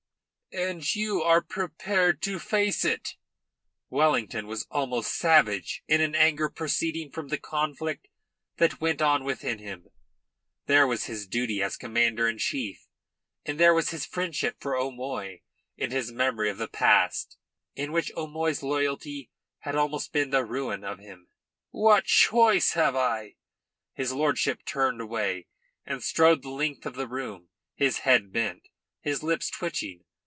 "And you are prepared to face it?" Wellington was almost savage in an anger proceeding from the conflict that went on within him. There was his duty as commander in chief, and there was his friendship for O'Moy and his memory of the past in which O'Moy's loyalty had almost been the ruin of him. "What choice have I?" His lordship turned away, and strode the length of the room, his head bent, his lips twitching.